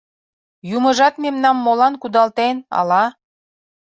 Юмыжат мемнам молан кудалтен, ала?